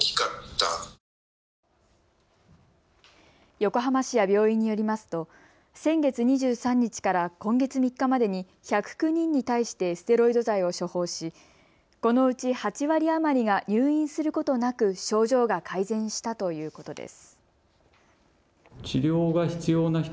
横浜市や病院によりますと先月２３日から今月３日までに１０９人に対してステロイド剤を処方しこのうち８割余りが入院することなく症状が改善したということです。